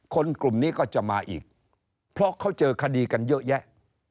กลุ่มนี้ก็จะมาอีกเพราะเขาเจอคดีกันเยอะแยะ